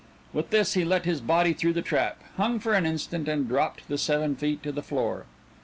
With this he let his body through the trap, hung for an instant, and dropped the seven feet to the floor.